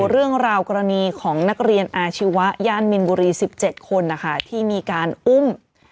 เรื่องราวกรณีของนักเรียนอาชีวะย่านมินบุรี๑๗คนนะคะที่มีการอุ้ม